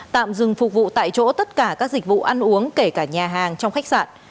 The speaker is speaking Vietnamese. tạm dừng phục vụ tại chỗ tất cả các dịch vụ ăn uống kể cả nhà hàng trong khách sạn